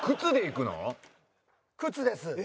靴です。